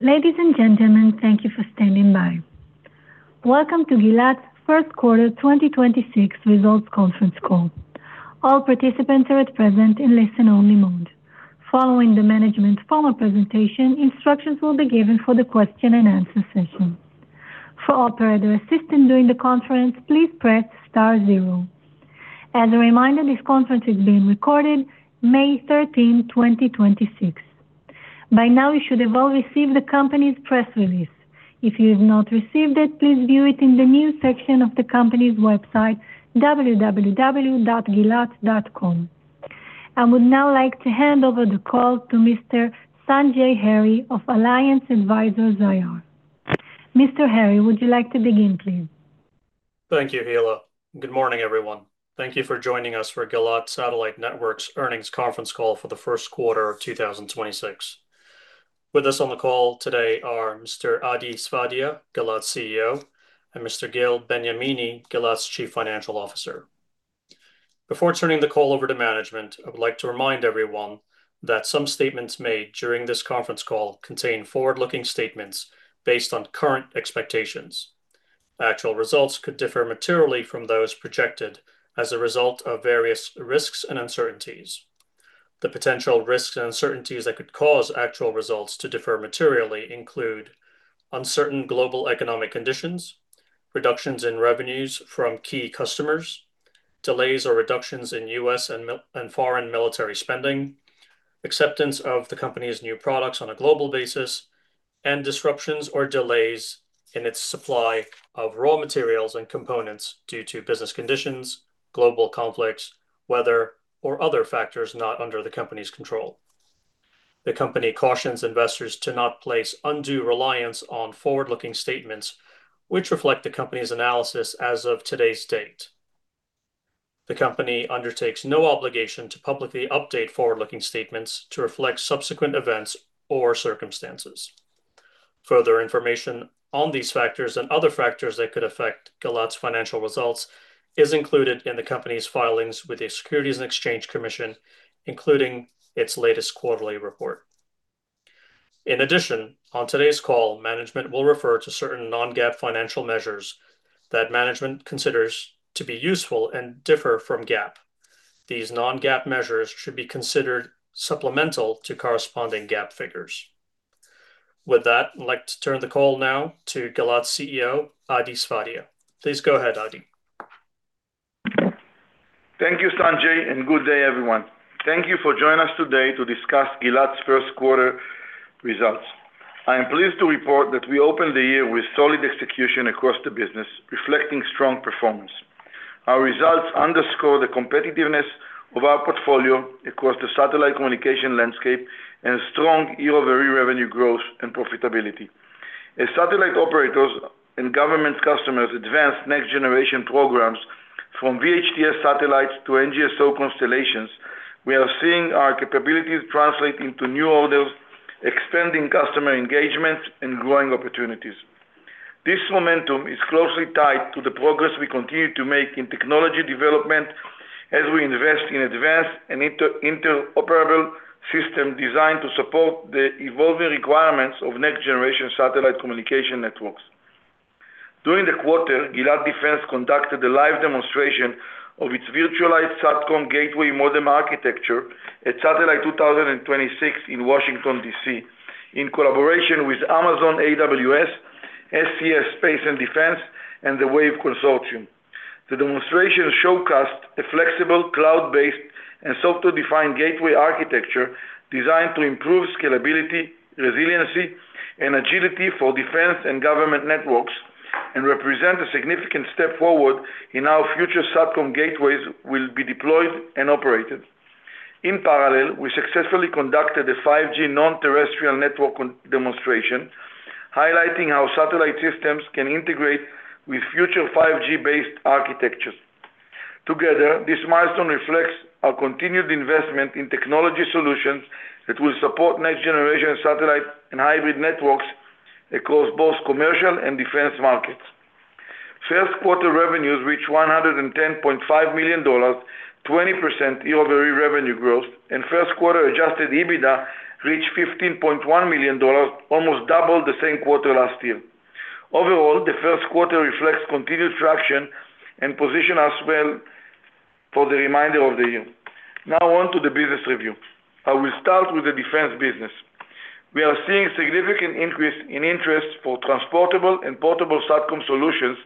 Ladies and gentlemen, thank you for standing by. Welcome to Gilat's first quarter 2026 results conference call. All participants are at present in listen only mode. Following the management's formal presentation, instructions will be given for the question and answer session. For operator assistance during the conference, please press star zero. As a reminder, this conference is being recorded May 13th, 2026. By now, you should have all received the company's press release. If you have not received it, please view it in the news section of the company's website, www.gilat.com. I would now like to hand over the call to Mr. Sanjay Harry of Alliance Advisors IR. Mr. Harry, would you like to begin, please? Thank you, Hila. Good morning, everyone. Thank you for joining us for Gilat Satellite Networks earnings conference call for the first quarter of 2026. With us on the call today are Mr. Adi Sfadia, Gilat's CEO, and Mr. Gil Benyamini, Gilat's Chief Financial Officer. Before turning the call over to management, I would like to remind everyone that some statements made during this conference call contain forward-looking statements based on current expectations. Actual results could differ materially from those projected as a result of various risks and uncertainties. The potential risks and uncertainties that could cause actual results to differ materially include uncertain global economic conditions, reductions in revenues from key customers, delays or reductions in U.S. and foreign military spending, acceptance of the company's new products on a global basis, and disruptions or delays in its supply of raw materials and components due to business conditions, global conflicts, weather, or other factors not under the company's control. The company cautions investors to not place undue reliance on forward-looking statements which reflect the company's analysis as of today's date. The company undertakes no obligation to publicly update forward-looking statements to reflect subsequent events or circumstances. Further information on these factors and other factors that could affect Gilat's financial results is included in the company's filings with the Securities and Exchange Commission, including its latest quarterly report. In addition, on today's call, management will refer to certain non-GAAP financial measures that management considers to be useful and differ from GAAP. These non-GAAP measures should be considered supplemental to corresponding GAAP figures. With that, I'd like to turn the call now to Gilat's CEO, Adi Sfadia. Please go ahead, Adi. Thank you, Sanjay, and good day, everyone. Thank you for joining us today to discuss Gilat's first quarter results. I am pleased to report that we opened the year with solid execution across the business, reflecting strong performance. Our results underscore the competitiveness of our portfolio across the satellite communication landscape and strong year-over-year revenue growth and profitability. As satellite operators and government customers advance next generation programs from VHTS satellites to NGSO constellations, we are seeing our capabilities translate into new orders, expanding customer engagement and growing opportunities. This momentum is closely tied to the progress we continue to make in technology development as we invest in advanced and interoperable system designed to support the evolving requirements of next generation satellite communication networks. During the quarter, Gilat Defense conducted a live demonstration of its virtualized SATCOM gateway modem architecture at SATELLITE 2026 in Washington, D.C., in collaboration with Amazon AWS, SES Space and Defense, and the WAVE Consortium. The demonstration showcased a flexible cloud-based and software-defined gateway architecture designed to improve scalability, resiliency, and agility for defense and government networks, and represent a significant step forward in how future SATCOM gateways will be deployed and operated. In parallel, we successfully conducted a 5G Non-Terrestrial Network demonstration, highlighting how satellite systems can integrate with future 5G-based architectures. Together, this milestone reflects our continued investment in technology solutions that will support next-generation satellite and hybrid networks across both commercial and defense markets. First quarter revenues reached $110.5 million, 20% year-over-year revenue growth, and first quarter Adjusted EBITDA reached $15.1 million, almost double the same quarter last year. Overall, the first quarter reflects continued traction and position us well for the remainder of the year. On to the business review. I will start with the defense business. We are seeing significant increase in interest for transportable and portable SATCOM solutions,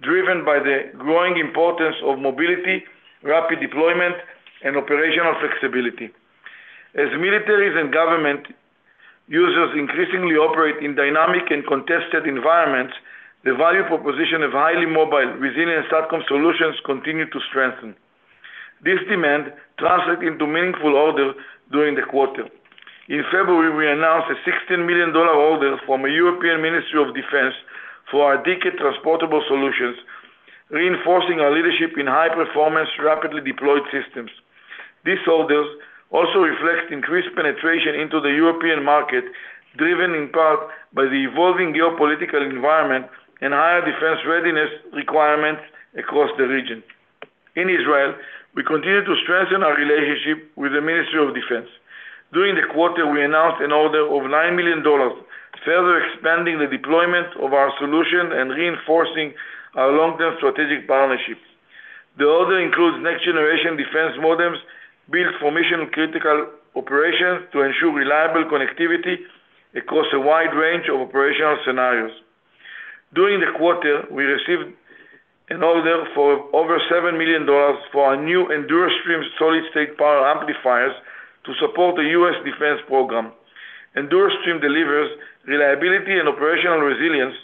driven by the growing importance of mobility, rapid deployment, and operational flexibility. As militaries and government users increasingly operate in dynamic and contested environments, the value proposition of highly mobile, resilient SATCOM solutions continue to strengthen. This demand translate into meaningful orders during the quarter. In February, we announced a $16 million order from a European Ministry of Defense for our DKET transportable solutions, reinforcing our leadership in high-performance, rapidly deployed systems. These orders also reflect increased penetration into the European market, driven in part by the evolving geopolitical environment and higher defense readiness requirements across the region. In Israel, we continue to strengthen our relationship with the Ministry of Defense. During the quarter, we announced an order of $9 million, further expanding the deployment of our solution and reinforcing our long-term strategic partnerships. The order includes next-generation defense modems built for mission-critical operations to ensure reliable connectivity across a wide range of operational scenarios. During the quarter, we received an order for over $7 million for our new EnduroStream solid-state power amplifiers to support the U.S. Defense Program. EnduroStream delivers reliability and operational resilience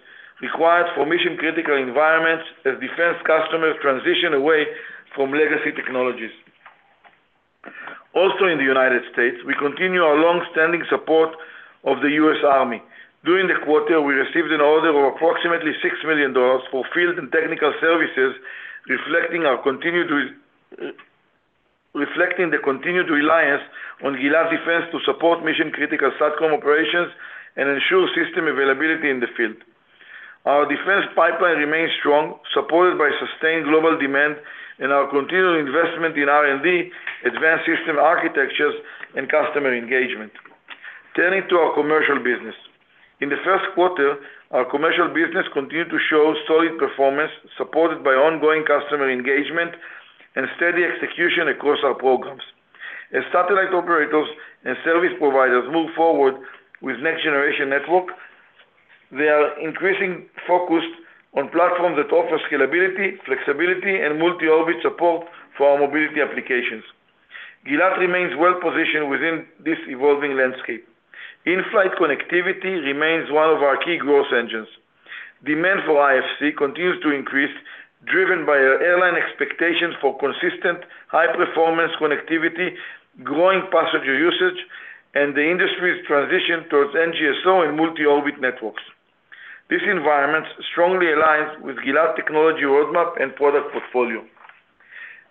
required for mission-critical environments as defense customers transition away from legacy technologies. Also in the United States, we continue our long-standing support of the U.S. Army. During the quarter, we received an order of approximately $6 million for field and technical services, reflecting our continued reliance on Gilat Defense to support mission-critical SATCOM operations and ensure system availability in the field. Our defense pipeline remains strong, supported by sustained global demand and our continued investment in R&D, advanced system architectures, and customer engagement. Turning to our commercial business. In the first quarter, our commercial business continued to show solid performance, supported by ongoing customer engagement and steady execution across our programs. As satellite operators and service providers move forward with next-generation network, they are increasing focus on platforms that offer scalability, flexibility, and multi-orbit support for our mobility applications. Gilat remains well-positioned within this evolving landscape. In-flight connectivity remains one of our key growth engines. Demand for IFC continues to increase, driven by our airline expectations for consistent high-performance connectivity, growing passenger usage, and the industry's transition towards NGSO and multi-orbit networks. This environment strongly aligns with Gilat technology roadmap and product portfolio.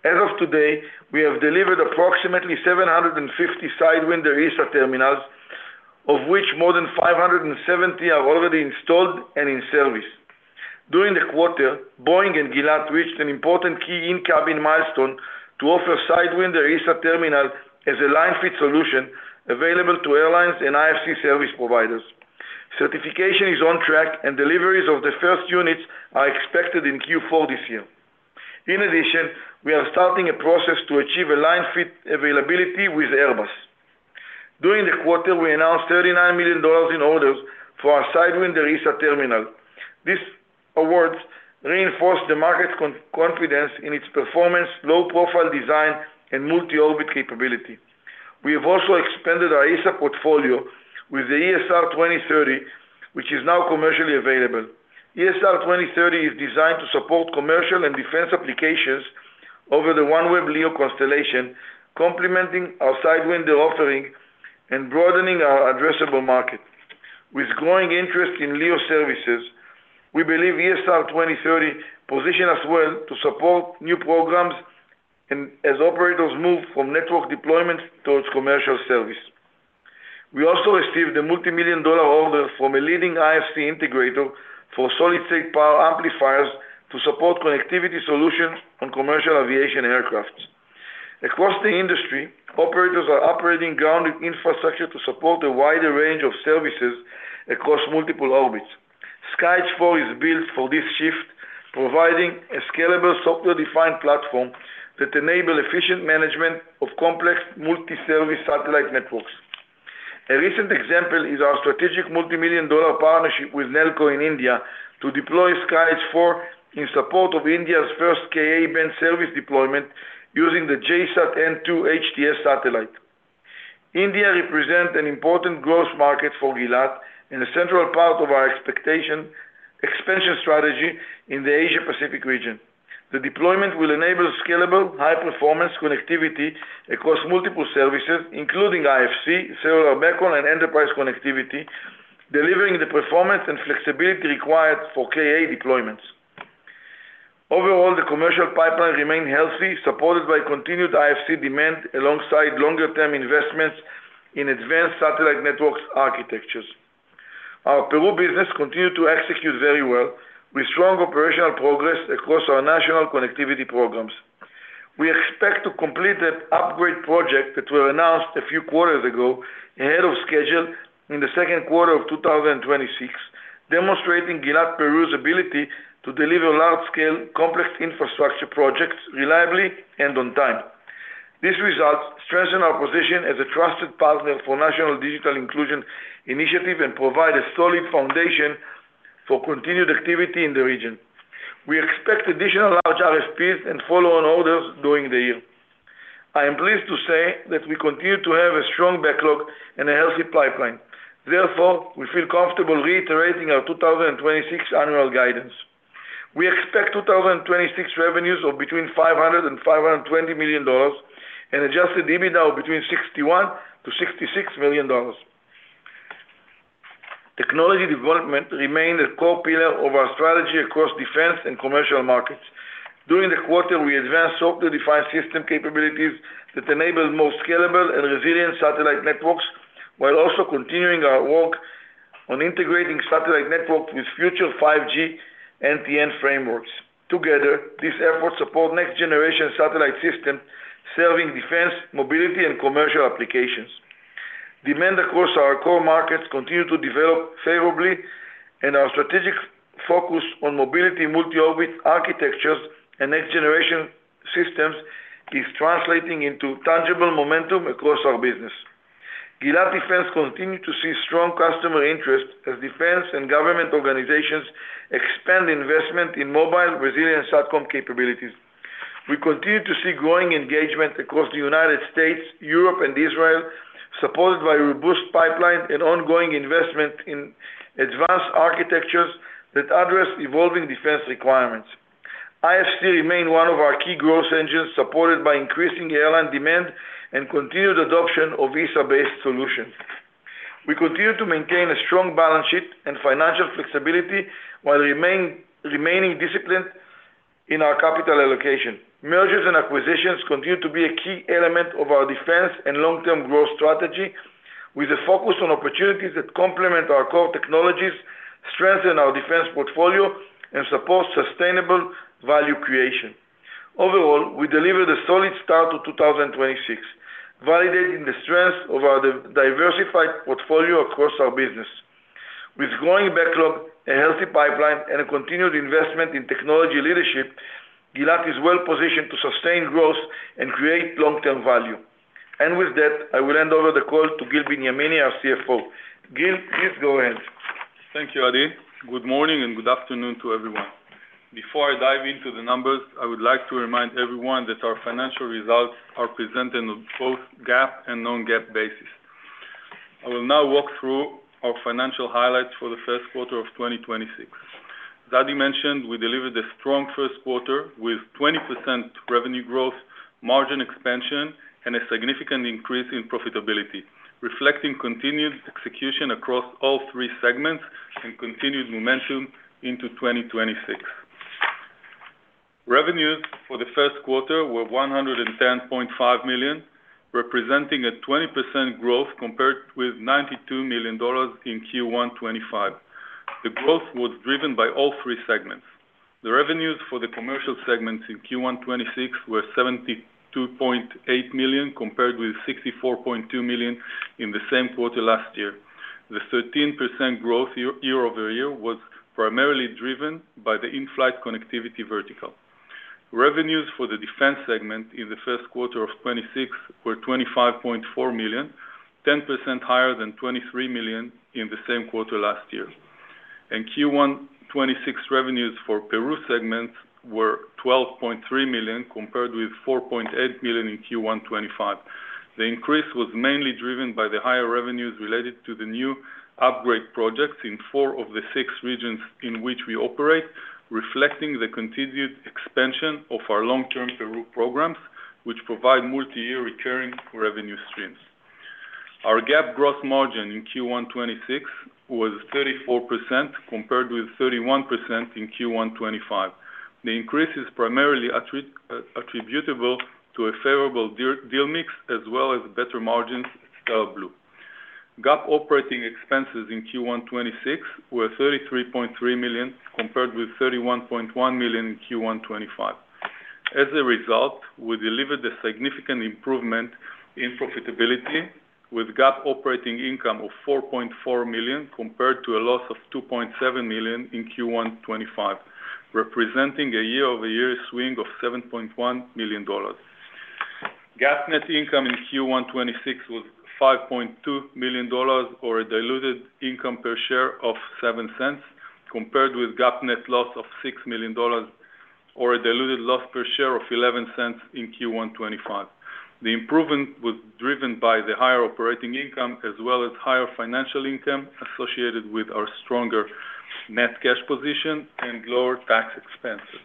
As of today, we have delivered approximately 750 Sidewinder ESA terminals, of which more than 570 are already installed and in service. During the quarter, Boeing and Gilat reached an important key in-cabin milestone to offer Sidewinder ESA terminal as a line-fit solution available to airlines and IFC service providers. Certification is on track, and deliveries of the first units are expected in Q4 this year. In addition, we are starting a process to achieve a line-fit availability with Airbus. During the quarter, we announced $39 million in orders for our Sidewinder ESA terminal. These awards reinforce the market confidence in its performance, low-profile design, and multi-orbit capability. We have also expanded our ESA portfolio with the ESR 2030, which is now commercially available. ESR 2030 is designed to support commercial and defense applications over the OneWeb LEO constellation, complementing our Sidewinder offering and broadening our addressable market. With growing interest in LEO services, we believe ESR 2030 position us well to support new programs and as operators move from network deployment towards commercial service. We also received a multimillion-dollar order from a leading IFC integrator for solid-state power amplifiers to support connectivity solutions on commercial aviation aircraft. Across the industry, operators are operating grounded infrastructure to support a wider range of services across multiple orbits. SkyEdge IV is built for this shift, providing a scalable software-defined platform that enable efficient management of complex multi-service satellite networks. A recent example is our strategic multimillion-dollar partnership with Nelco in India to deploy SkyEdge IV in support of India's first Ka-band service deployment using the GSAT-N2 HTS satellite. India represent an important growth market for Gilat and a central part of our expansion strategy in the Asia Pacific region. The deployment will enable scalable high-performance connectivity across multiple services, including IFC, cellular backhaul, and enterprise connectivity, delivering the performance and flexibility required for Ka deployments. Overall, the commercial pipeline remain healthy, supported by continued IFC demand alongside longer-term investments in advanced satellite networks architectures. Our Peru business continued to execute very well with strong operational progress across our national connectivity programs. We expect to complete that upgrade project that were announced a few quarters ago ahead of schedule in the second quarter of 2026, demonstrating Gilat Peru's ability to deliver large-scale complex infrastructure projects reliably and on time. These results strengthen our position as a trusted partner for national digital inclusion initiative and provide a solid foundation for continued activity in the region. We expect additional large RFPs and follow-on orders during the year. I am pleased to say that we continue to have a strong backlog and a healthy pipeline. We feel comfortable reiterating our 2026 annual guidance. We expect 2026 revenues of between $500 million-$520 million and Adjusted EBITDA of between $61 million-$66 million. Technology development remain a core pillar of our strategy across defense and commercial markets. During the quarter, we advanced software-defined system capabilities that enable more scalable and resilient satellite networks while also continuing our work on integrating satellite networks with future 5G NTN frameworks. Together, these efforts support next generation satellite system serving defense, mobility, and commercial applications. Demand across our core markets continue to develop favorably and our strategic focus on mobility, multi-orbit architectures and next generation systems is translating into tangible momentum across our business. Gilat Defense continue to see strong customer interest as defense and government organizations expand investment in mobile resilient SATCOM capabilities. We continue to see growing engagement across the United States, Europe, and Israel, supported by robust pipeline and ongoing investment in advanced architectures that address evolving defense requirements. IFC remain one of our key growth engines supported by increasing airline demand and continued adoption of VSAT-based solutions. We continue to maintain a strong balance sheet and financial flexibility while remaining disciplined in our capital allocation. Mergers and acquisitions continue to be a key element of our defense and long-term growth strategy with a focus on opportunities that complement our core technologies, strengthen our defense portfolio and support sustainable value creation. Overall, we delivered a solid start to 2026, validating the strength of our diversified portfolio across our business. With growing backlog, a healthy pipeline and a continued investment in technology leadership, Gilat is well-positioned to sustain growth and create long-term value. With that, I will hand over the call to Gil Benyamini, our CFO. Gil, please go ahead. Thank you, Adi. Good morning and good afternoon to everyone. Before I dive into the numbers, I would like to remind everyone that our financial results are presented on both GAAP and non-GAAP basis. I will now walk through our financial highlights for the first quarter of 2026. As Adi mentioned, we delivered a strong first quarter with 20% revenue growth, margin expansion and a significant increase in profitability, reflecting continued execution across all three segments and continued momentum into 2026. Revenues for the first quarter were $110.5 million, representing a 20% growth compared with $92 million in Q1 2025. The growth was driven by all three segments. The revenues for the commercial segments in Q1 2026 were $72.8 million compared with $64.2 million in the same quarter last year. The 13% growth year-over-year was primarily driven by the in-flight connectivity vertical. Revenues for the defense segment in the first quarter of 2026 were $25.4 million, 10% higher than $23 million in the same quarter last year. In Q1 2026, revenues for Peru segments were $12.3 million compared with $4.8 million in Q1 2025. The increase was mainly driven by the higher revenues related to the new upgrade projects in four of the six regions in which we operate, reflecting the continued expansion of our long-term Peru programs, which provide multi-year recurring revenue streams. Our GAAP gross margin in Q1 2026 was 34%, compared with 31% in Q1 2025. The increase is primarily attributable to a favorable deal mix as well as better margins of Stellar Blu. GAAP operating expenses in Q1 2026 were $33.3 million compared with $31.1 million in Q1 2025. As a result, we delivered a significant improvement in profitability with GAAP operating income of $4.4 million compared to a loss of $2.7 million in Q1 2025, representing a year-over-year swing of $7.1 million. GAAP net income in Q1 2026 was $5.2 million or a diluted income per share of $0.07 compared with GAAP net loss of $6 million or a diluted loss per share of $0.11 in Q1 2025. The improvement was driven by the higher operating income as well as higher financial income associated with our stronger net cash position and lower tax expenses.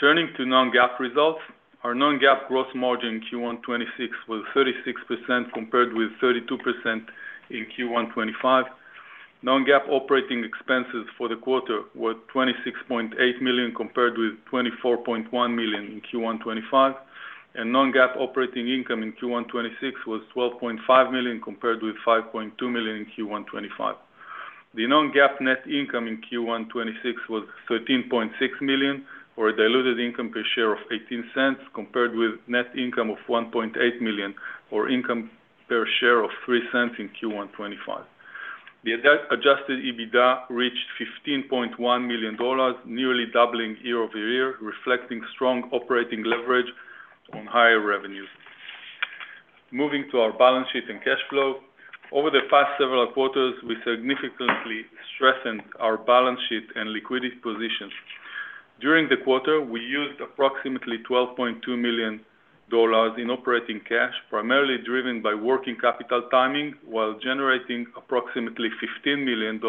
Turning to non-GAAP results. Our non-GAAP gross margin Q1 2026 was 36% compared with 32% in Q1 2025. Non-GAAP operating expenses for the quarter were $26.8 million compared with $24.1 million in Q1 2025, and non-GAAP operating income in Q1 2026 was $12.5 million compared with $5.2 million in Q1 2025. The non-GAAP net income in Q1 2026 was $13.6 million or a diluted income per share of $0.18 compared with net income of $1.8 million or income per share of $0.03 in Q1 2025. The Adjusted EBITDA reached $15.1 million, nearly doubling year-over-year, reflecting strong operating leverage on higher revenues. Moving to our balance sheet and cash flow. Over the past several quarters, we significantly strengthened our balance sheet and liquidity position. During the quarter, we used approximately $12.2 million in operating cash, primarily driven by working capital timing while generating approximately $15 million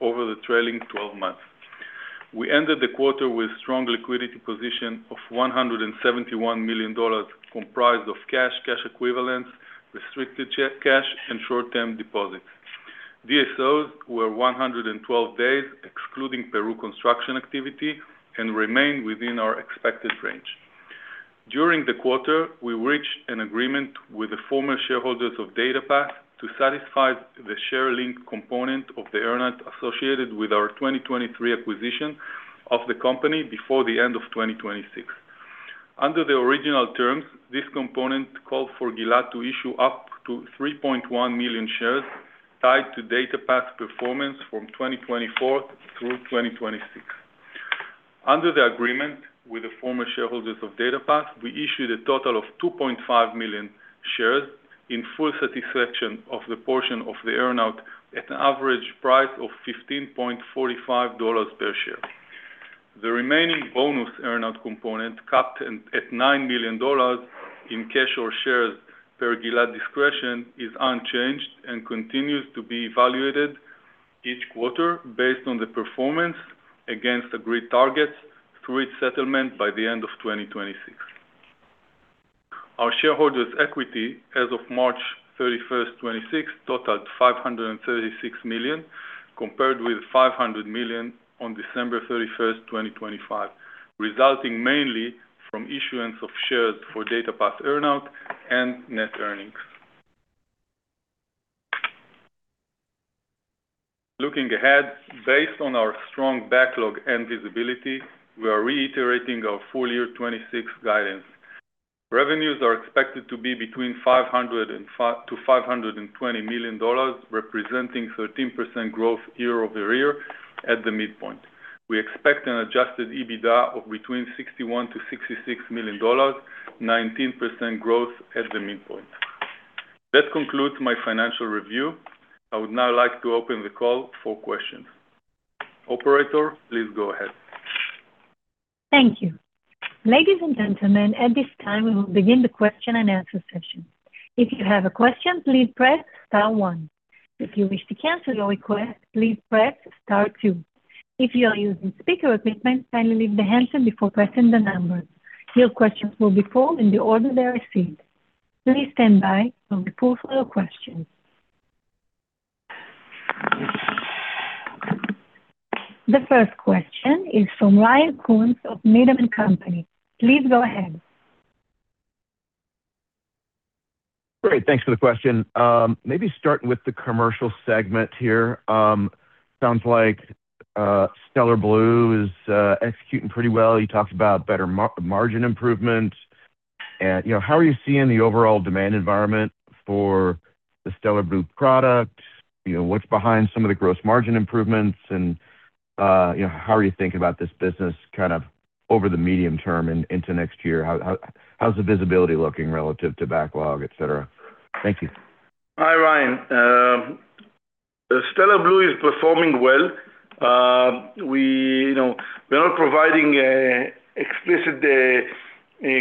over the trailing 12 months. We ended the quarter with strong liquidity position of $171 million, comprised of cash equivalents, restricted cash and short-term deposits. DSO were 112 days excluding Peru construction activity and remain within our expected range. During the quarter, we reached an agreement with the former shareholders of DataPath to satisfy the share link component of the earn-out associated with our 2023 acquisition of the company before the end of 2026. Under the original terms, this component called for Gilat to issue up to 3.1 million shares tied to DataPath's performance from 2024 through 2026. Under the agreement with the former shareholders of DataPath, we issued a total of 2.5 million shares in full satisfaction of the portion of the earn-out at an average price of $15.45 per share. The remaining bonus earn-out component, capped at $9 million in cash or shares per Gilat discretion, is unchanged and continues to be evaluated each quarter based on the performance against agreed targets through its settlement by the end of 2026. Our shareholders' equity as of March 31st, 2026 totaled $536 million, compared with $500 million on December 31st, 2025, resulting mainly from issuance of shares for DataPath earn-out and net earnings. Looking ahead, based on our strong backlog and visibility, we are reiterating our full year 2026 guidance. Revenues are expected to be between $500 million-$520 million, representing 13% growth year-over-year at the midpoint. We expect an Adjusted EBITDA of between $61 million-$66 million, 19% growth at the midpoint. That concludes my financial review. I would now like to open the call for questions. Operator, please go ahead. The first question is from Ryan Koontz of Needham & Company. Please go ahead. Great. Thanks for the question. Maybe starting with the commercial segment here. Sounds like Stellar Blu is executing pretty well. You talked about better margin improvement. You know, how are you seeing the overall demand environment for the Stellar Blu product? You know, what's behind some of the gross margin improvements? You know, how are you thinking about this business kind of over the medium term and into next year? How's the visibility looking relative to backlog, et cetera? Thank you. Hi, Ryan. Stellar Blu is performing well. We, you know, we are not providing explicit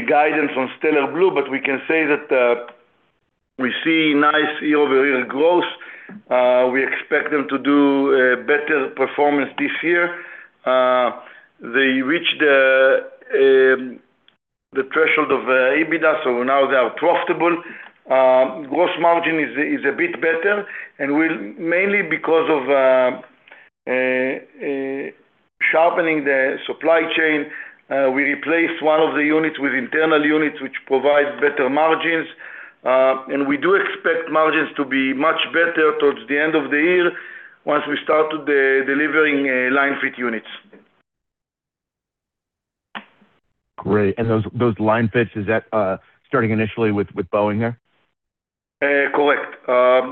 guidance on Stellar Blu, but we can say that we see nice year-over-year growth. We expect them to do better performance this year. They reached the threshold of EBITDA, so now they are profitable. Gross margin is a bit better, mainly because of sharpening the supply chain. We replaced one of the units with internal units, which provide better margins. We do expect margins to be much better towards the end of the year once we start to delivering line-fit units. Great. those line-fits, is that, starting initially with Boeing there? Correct.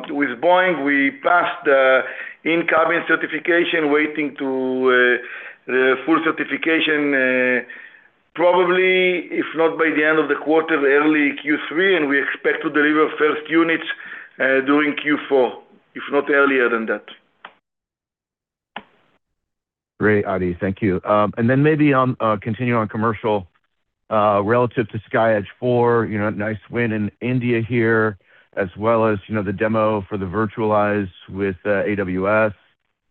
With Boeing, we passed the in-cabin certification, waiting to the full certification, probably, if not by the end of the quarter, early Q3, and we expect to deliver first units during Q4, if not earlier than that. Great, Adi. Thank you. Maybe on, continuing on commercial, relative to SkyEdge IV, you know, nice win in India here, as well as, you know, the demo for the virtualize with AWS.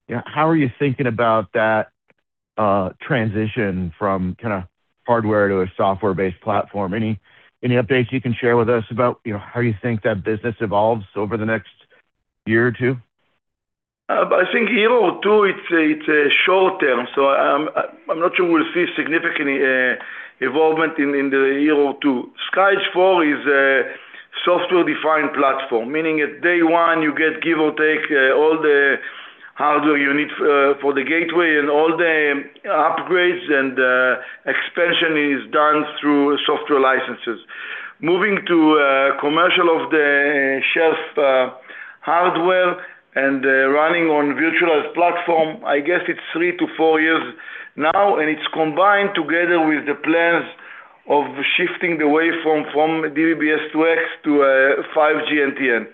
You know, how are you thinking about that transition from kinda hardware to a software-based platform? Any updates you can share with us about, you know, how you think that business evolves over the next year or two? I think year or two, it's a, it's a short-term, so, I'm not sure we'll see significant evolvement in the year or two. SkyEdge IV is a software-defined platform, meaning at day one, you get, give or take, all the hardware you need for the gateway and all the upgrades, and expansion is done through software licenses. Moving to commercial off-the-shelf, hardware and running on virtualized platform, I guess it's three to four years now, and it's combined together with the plans of shifting the waveform from DVB-S2X to 5G NTN.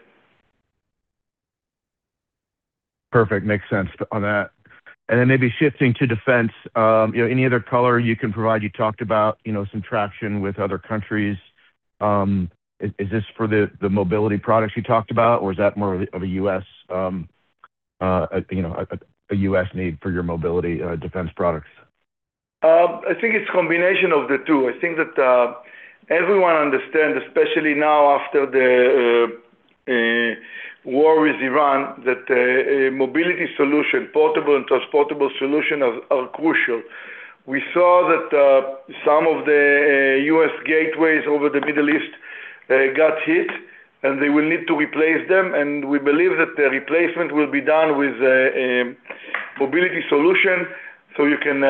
Perfect. Makes sense on that. Maybe shifting to defense, you know, any other color you can provide? You talked about, you know, some traction with other countries. Is this for the mobility products you talked about, or is that more of a U.S., you know, a U.S. need for your mobility defense products? I think it's combination of the two. I think that everyone understands. War with Iran that a mobility solution, portable and transportable solution are crucial. We saw that some of the U.S. gateways over the Middle East got hit, and they will need to replace them, and we believe that the replacement will be done with a mobility solution, so you can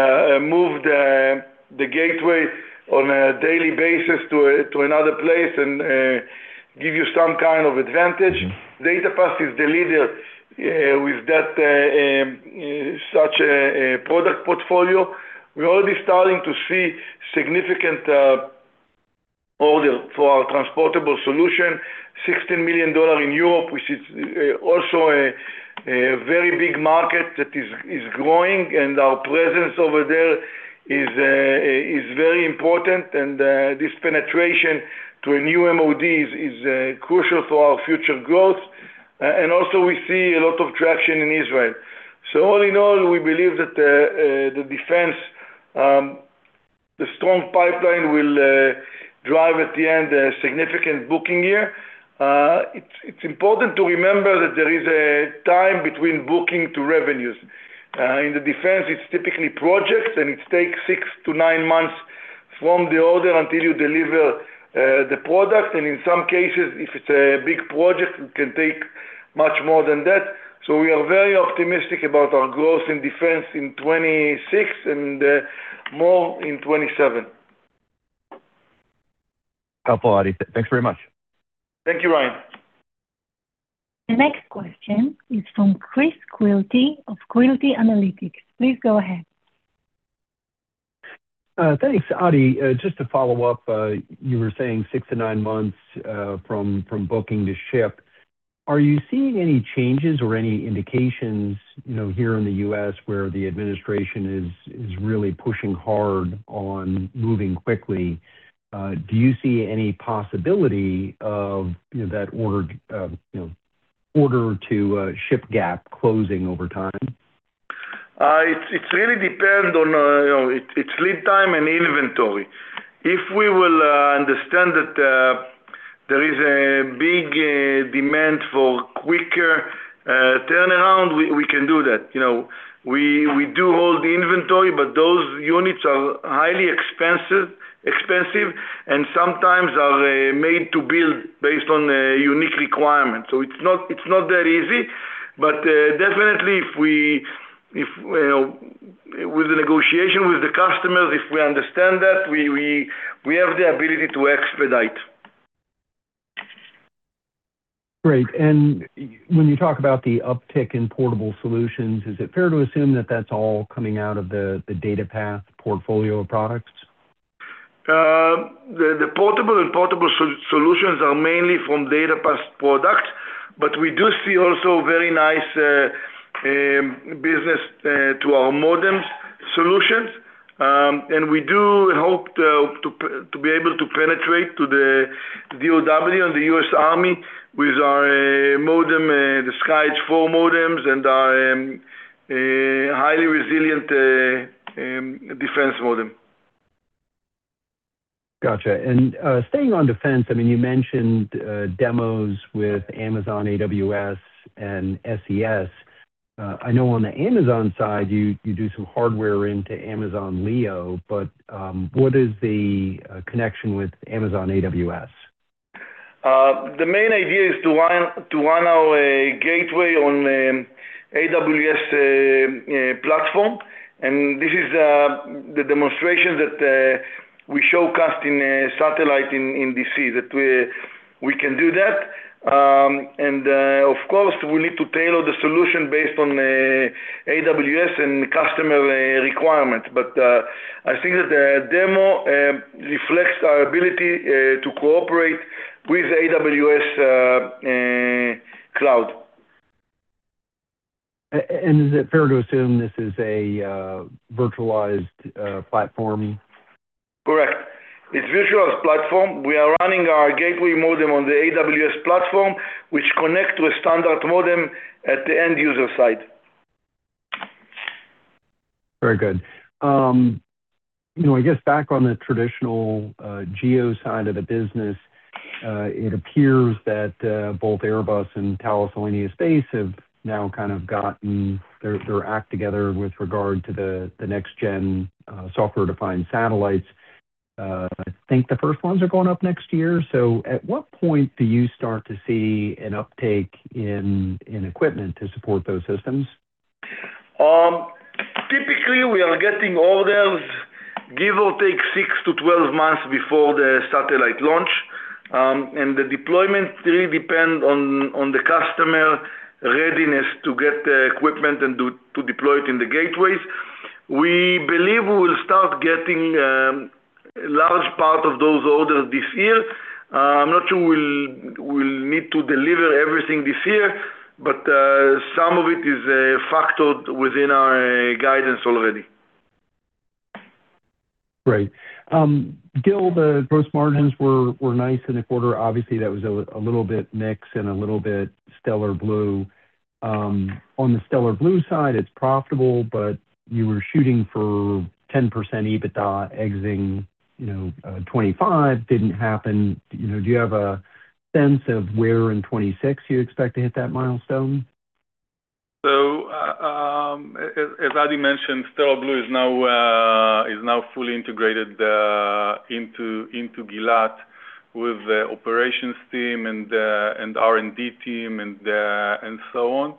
move the gateway on a daily basis to another place and give you some kind of advantage. DataPath is the leader with that such a product portfolio. We're already starting to see significant order for our transportable solution, $16 million in Europe, which is also a very big market that is growing, and our presence over there is very important, and this penetration to a new MOD is crucial for our future growth. Also we see a lot of traction in Israel. All in all, we believe that the defense, the strong pipeline will drive at the end a significant booking year. It's important to remember that there is a time between booking to revenues. In the defense, it's typically projects, and it takes six to nine months from the order until you deliver the product, and in some cases, if it's a big project, it can take much more than that. We are very optimistic about our growth in defense in 2026 and more in 2027. Helpful, Adi. Thanks very much. Thank you, Ryan. The next question is from Chris Quilty of Quilty Space. Please go ahead. Thanks, Adi. Just to follow up, you were saying six to nine months from booking to ship. Are you seeing any changes or any indications, you know, here in the U.S., where the administration is really pushing hard on moving quickly, do you see any possibility of, you know, that order-to-ship gap closing over time? It, it really depend on, you know, it's lead time and inventory. If we will understand that, there is a big demand for quicker turnaround, we can do that. You know, we do hold the inventory, but those units are highly expensive and sometimes are made to build based on a unique requirement. It's not that easy. Definitely if we, if, you know, with the negotiation with the customers, if we understand that, we, we have the ability to expedite. Great. When you talk about the uptick in portable solutions, is it fair to assume that that's all coming out of the DataPath portfolio of products? The portable and portable solutions are mainly from DataPath products, but we do see also very nice business to our modems solutions. We do hope to be able to penetrate to the DoD and the U.S. Army with our modem, the SkyEdge IV modems and our highly resilient defense modem. Gotcha. Staying on defense, I mean, you mentioned demos with Amazon AWS and SES. I know on the Amazon side, you do some hardware into Amazon Leo, what is the connection with Amazon AWS? The main idea is to run our gateway on AWS platform, and this is the demonstration that we showcased in a satellite in D.C. that we can do that. Of course, we need to tailor the solution based on AWS and customer requirement. I think that the demo reflects our ability to cooperate with AWS cloud. Is it fair to assume this is a virtualized platform? Correct. It's virtualized platform. We are running our gateway modem on the AWS platform, which connect to a standard modem at the end user site. Very good. You know, I guess back on the traditional GEO side of the business, it appears that both Airbus and Thales Alenia Space have now kind of gotten their act together with regard to the next-gen, software-defined satellites. I think the first ones are going up next year. At what point do you start to see an uptake in equipment to support those systems? Typically, we are getting orders give or take six to 12 months before the satellite launch. And the deployment really depend on the customer readiness to get the equipment to deploy it in the gateways. We believe we will start getting, large part of those orders this year. I'm not sure we'll need to deliver everything this year, but some of it is factored within our guidance already. Great. Gil, the gross margins were nice in the quarter. Obviously, that was a little bit mix and a little bit Stellar Blu. On the Stellar Blu side, it's profitable, but you were shooting for 10% EBITDA exiting, you know, 2025. Didn't happen. You know, do you have a sense of where in 2026 you expect to hit that milestone? As Adi mentioned, Stellar Blu is now fully integrated into Gilat with the operations team and R&D team and so on.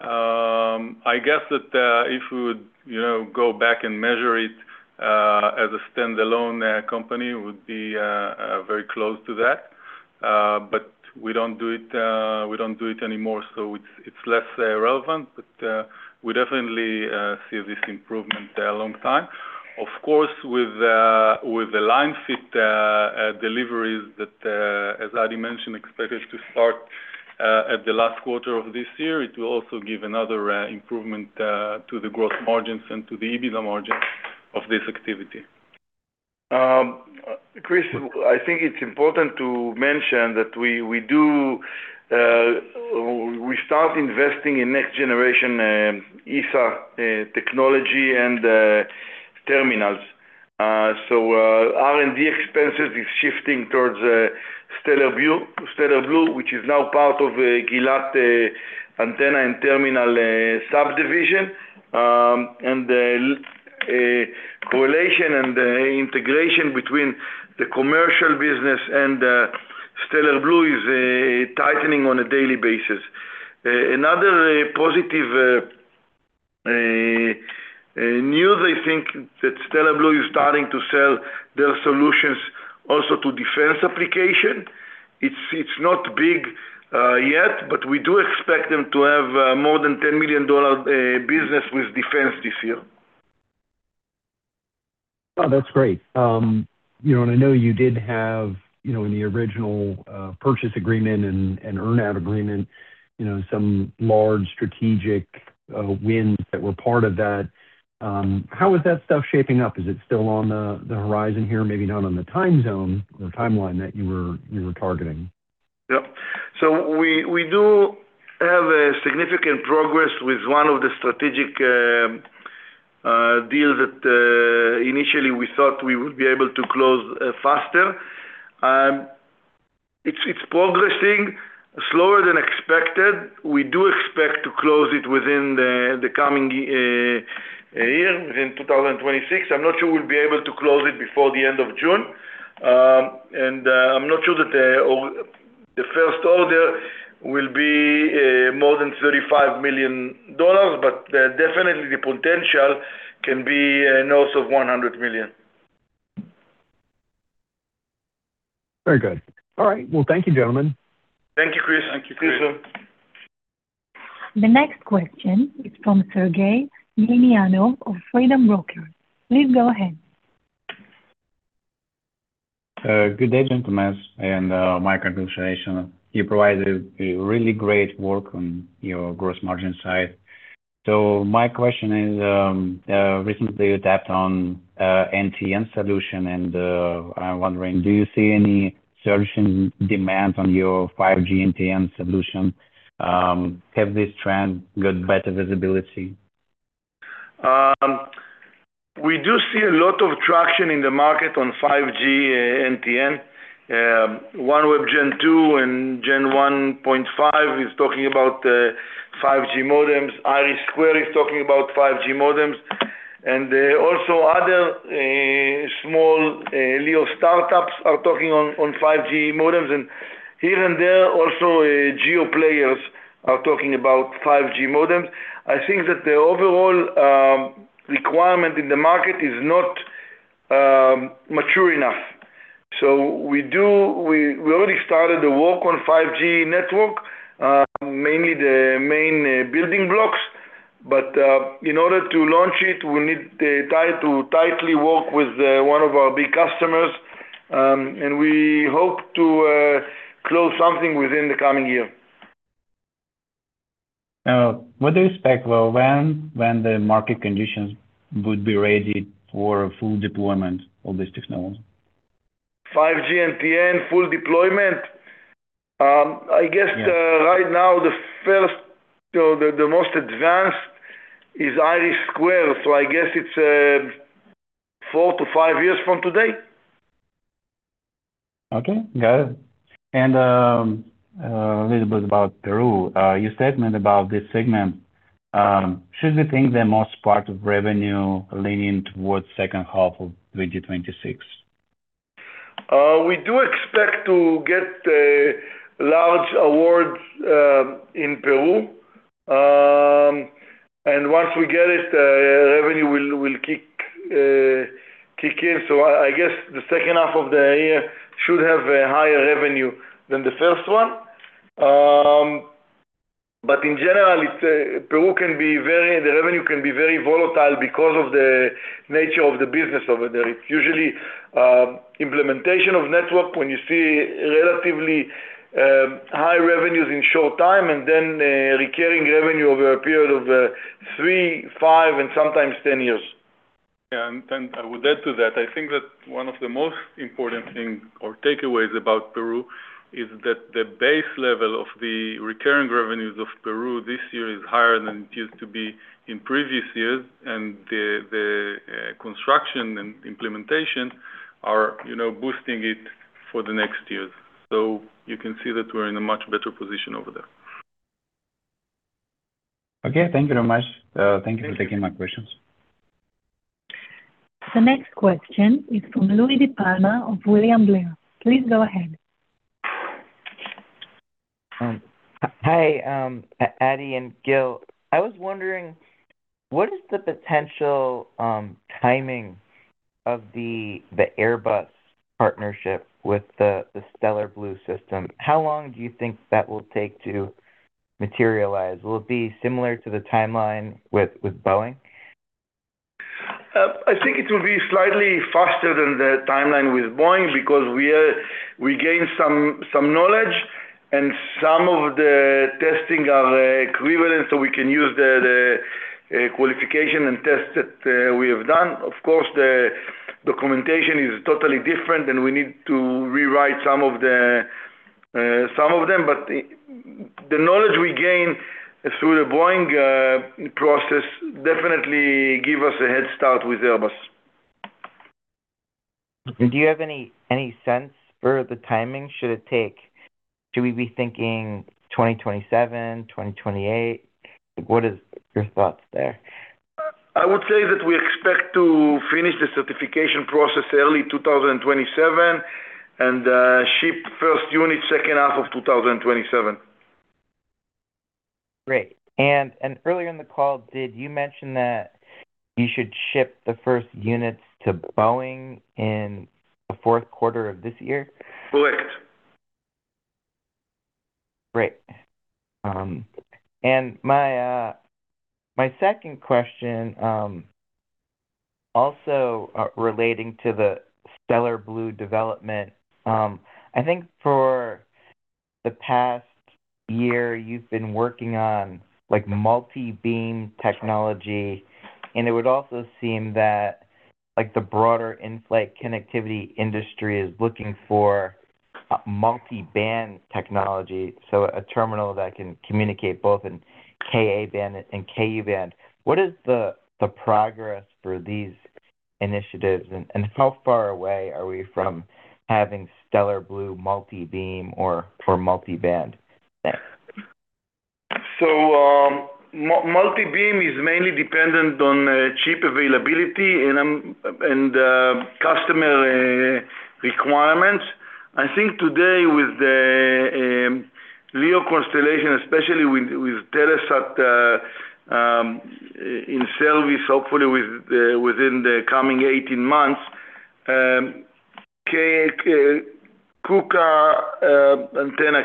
I guess that if we would, you know, go back and measure it as a standalone company would be very close to that. We don't do it, we don't do it anymore, so it's less relevant. We definitely see this improvement a long time. Of course, with the line fit deliveries that as Adi mentioned, expected to start at the last quarter of this year, it will also give another improvement to the growth margins and to the EBITDA margin of this activity. Chris, I think it's important to mention that we start investing in next generation ESA technology and terminals. R&D expenses is shifting towards Stellar Blu, which is now part of Gilat antenna and terminal subdivision. Correlation and integration between the commercial business and Stellar Blu is tightening on a daily basis. Another positive news, I think, that Stellar Blu is starting to sell their solutions also to defense application. It's not big yet, but we do expect them to have more than $10 million business with defense this year. Oh, that's great. You know, I know you did have, you know, in the original purchase agreement and earn out agreement, you know, some large strategic wins that were part of that. How is that stuff shaping up? Is it still on the horizon here, maybe not on the time zone or timeline that you were targeting? Yep. We do have a significant progress with one of the strategic deals that initially we thought we would be able to close faster. It's progressing slower than expected. We do expect to close it within the coming year, within 2026. I'm not sure we'll be able to close it before the end of June. I'm not sure that the first order will be more than $35 million, but definitely the potential can be north of $100 million. Very good. All right. Well, thank you, gentlemen. Thank you, Chris. Thank you, Chris. The next question is from Sergey Glinyanov of Freedom Broker. Please go ahead. Good day, gentlemen, and my congratulations. You provided a really great work on your gross margin side. My question is, recently you tapped on NTN solution, and I'm wondering, do you see any surge in demand on your 5G NTN solution? Have this trend got better visibility? We do see a lot of traction in the market on 5G NTN. OneWeb Gen 2 and Gen 1.5 is talking about 5G modems. IRIS² is talking about 5G modems. Also other small LEO startups are talking on 5G modems. Here and there also GEO players are talking about 5G modems. I think that the overall requirement in the market is not mature enough. We already started the work on 5G network, mainly the main building blocks. In order to launch it, we need to tightly work with one of our big customers. We hope to close something within the coming year. What do you expect, well, when the market conditions would be ready for full deployment of this technology? 5G NTN full deployment? Yeah. Right now, the first, you know, the most advanced is IRIS². I guess it's four to five years from today. Okay. Got it. A little bit about Peru, your statement about this segment, should we think the most part of revenue leaning towards second half of 2026? We do expect to get large awards in Peru. Once we get it, revenue will kick in. I guess the second half of the year should have a higher revenue than the first one. In general, Peru can be very volatile because of the nature of the business over there. It's usually implementation of network when you see relatively high revenues in short time and then recurring revenue over a period of three, five and sometimes 10 years. Yeah. I would add to that. I think that one of the most important thing or takeaways about Peru is that the base level of the recurring revenues of Peru this year is higher than it used to be in previous years, the construction and implementation Are, you know, boosting it for the next years. You can see that we're in a much better position over there. Okay. Thank you very much. Thank you for taking my questions. The next question is from Louie DiPalma of William Blair. Please go ahead. Hi, Adi and Gil. I was wondering, what is the potential timing of the Airbus partnership with the Stellar Blu system? How long do you think that will take to materialize? Will it be similar to the timeline with Boeing? I think it will be slightly faster than the timeline with Boeing because we gained some knowledge and some of the testing are equivalent, so we can use the qualification and test that we have done. Of course, the documentation is totally different, and we need to rewrite some of them. The knowledge we gained through the Boeing process definitely give us a head start with Airbus. Do you have any sense for the timing should it take? Should we be thinking 2027, 2028? What is your thoughts there? I would say that we expect to finish the certification process early 2027, and ship first unit second half of 2027. Great. Earlier in the call, did you mention that you should ship the first units to Boeing in the fourth quarter of this year? Correct. Great. And my second question, also, relating to the Stellar Blu development. I think for the past year you've been working on multi-beam technology, and it would also seem that the broader inflight connectivity industry is looking for multi-band technology, so a terminal that can communicate both in Ka-band and Ku-band. What is the progress for these initiatives? How far away are we from having Stellar Blu multi-beam or for multi-band tech? Multi-beam is mainly dependent on chip availability and customer requirements. I think today with the LEO constellation, especially with Telesat in service, hopefully within the coming 18 months, Ku and Ka antenna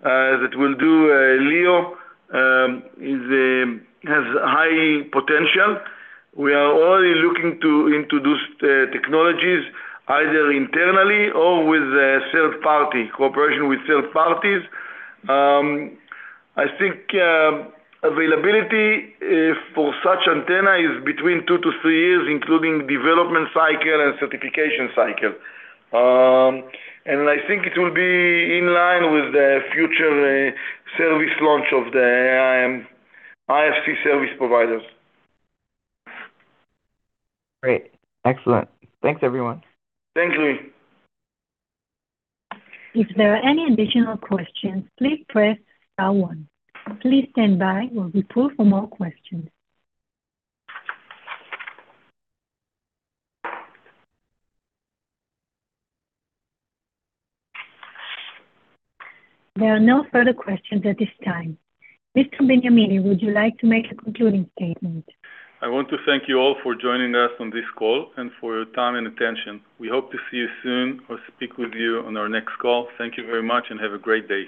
that will do LEO has high potential. We are only looking to introduce the technologies either internally or with a third party, cooperation with third parties. I think availability for such antenna is between two to three years, including development cycle and certification cycle. I think it will be in line with the future service launch of the IFC service providers. Great. Excellent. Thanks, everyone. Thanks, Louie. If there are any additional questions, please press star one. Please stand by while we pull for more questions. There are no further questions at this time. Mr. Benyamini, would you like to make a concluding statement? I want to thank you all for joining us on this call and for your time and attention. We hope to see you soon or speak with you on our next call. Thank you very much and have a great day.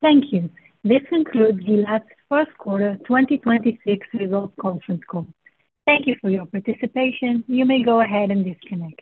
Thank you. This concludes Gilat's first quarter 2026 results conference call. Thank you for your participation. You may go ahead and disconnect.